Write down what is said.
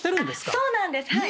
そうなんですはい。